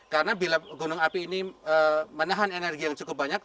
karena bila gunung api ini menahan energi yang cukup banyak